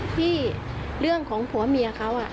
ที่เรื่องของผัวเมียเขา